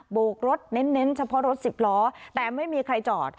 โกกรถเน้นเฉพาะรถสิบล้อแต่ไม่มีใครจอด